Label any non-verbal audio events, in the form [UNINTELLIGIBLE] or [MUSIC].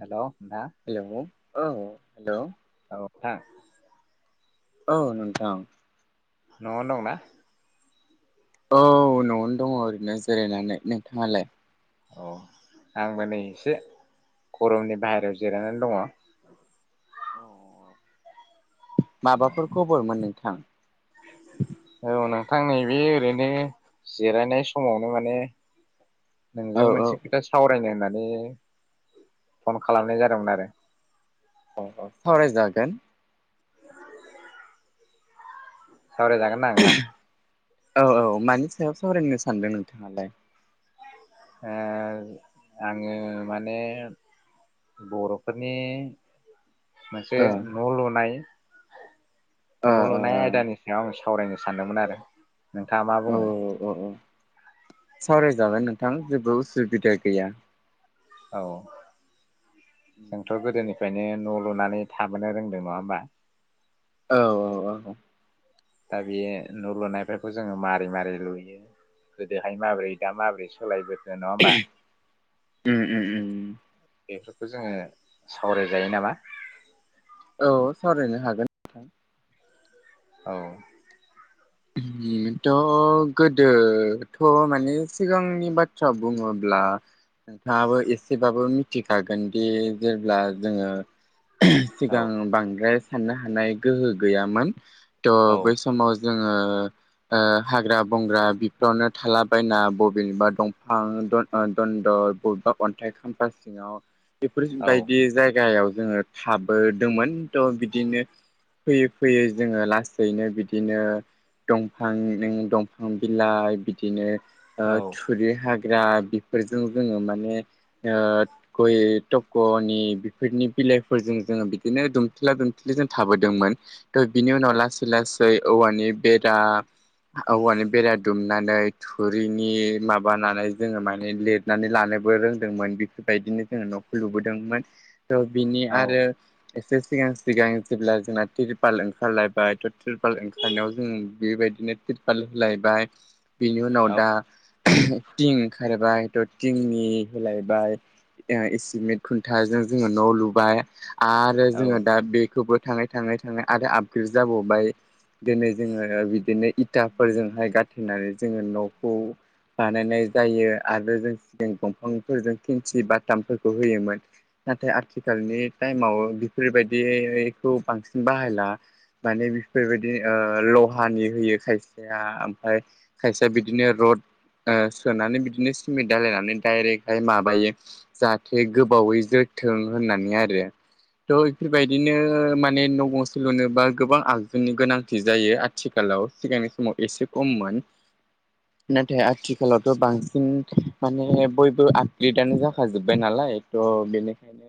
हेल' hello औ। Hello. औ आ। औ नोंथां। न'आवनो दंना। औ न'आवनो दङ ओरैनो जिरायनानै नोंथाङालाय? औ आंबो नै एसे गरमनि बाहेरायाव जिरायनानै दङ। माबाफोर खबरमोन नों थां। आं नैबे ओरैनो जिरायनाय समावनो माने औ नोंजों औ मोनसे खोथा सावरायनो होनना [UNINTELLIGIBLE] फन खालामनाय जादोंमोन आरो औ औ सावरायजागोन सावरायजागोन ना नोंथां? औ औ मानि सायाव सावरायनो सानदों नोंथाङालाय? ओ आङो माने बर'फोरनि। मोनसे ओ न लुनाय ओ न' ओ लुनाय आयदानि सायाव। सावरायनो सानदोंमोन आरो नोंथाङा मा औ बुङो? औ औ सावरायजागोन नोंथां जेबो उसुबिदा गैया। औ। जोंथ गोदोनि फ्रायायनो न'लुनानै थाबोनो रोंदों नङा होमबा। औ औ औ दा बेयो न लुनायफोरखौ जोङो मारोरै मारै लुयो गोदोहाय माबोरै दा माबोरै सोलायबो उम उम उम बेखौ जोङो सावरायजायो नामा? औ सावरायनो हागोन नोंथां औ थ गोदोथ माने सिगांनि बाथ्रा बुङोब्ला नोंथाङाबो एसेबाबो मिथिखागोनदि जेब्ला जोङो। औ सिगां बांद्राय साननो हानाय गोहो गैयामोन। थ' औ बै समाव जोङो ओ हाग्रा-बंग्रा बेफोरावनो थालाबायना बबेबा दंफां द-दन्दर बबेबा अन्थाइ खाम्फा सिङाव बेफोर औ बायदि जायगायाव जोङो थाबोदोंमोन। थ' बिदिनो फैयै फैयै जोङो लासैनो बिदिनो दंफांजों दंफां बिलाइ बिदिनो ओ औ थुरि हा ग्रा बेफोरजों जोङो माने ओ गय तकनि बेफोरनि बिलाइफोरजों जोङो बिदिनो दुमथेला दुमथेलि जों थाबोदोंमोन। थ' बिनि उनाव लासै ला सै औवानि बेरा औवानि बेरा दुमनानै थुरिनि माबानानै जोङो माने लिरनानै लानोबो रोंदोंमोन बेफोरबायदिनो जोङो नखौ लुबोदोंमोन। थ' बिनि औ आरो एसे सिगां सिगां जेब्ला जोंना त्रिपाल ओंखारलायबाय थ त्रिपाल ओंखारनायाव उम बेबायदिनो तिरपाल होलायबाय बेनि उनाव औ दा थिं ओंखारबाय थ थिंनि होलायबाय एसिमेट खुन्थाजों जोङो न लुबाय आरो औ जोङो दा बेखौबो थाङै थाङै थाङै आरो आपग्रेड जाबावबाय जोङो बिदिनो इथाफोरजोंहाय गाथिनानै जोङो नखौ बानायनाय जायो आरो जों सिगां दंफांफोरजों खुन्थि बाथामफोरखौ होयोमोन नाथाय आथिखालनि टाइमाव बेफोरबायदिखौ बांसिन बाहायला माने बेफोरबायदि ओ ओ लहानि होयो खायसेया ओमफ्राय खायसेया बिदिनो रड ओ सोनानै बिदिनो सिमेन्ट दालायनानै डायरेक्टहाय माबायो जाहाथे गोबावै जोरथों होननानै आरो थ बेफोरबायदिनो माने न' गंसे लुनोबा गोबां आगजुनि गोनां थि जायो आथिखालाव सिगांनि समाव एसे खममोन नाथाय आथिखालावथ बांसिन माने बयबो आपग्रेदानो जाखाजोब्बाय नालाय थ बेनिखायनो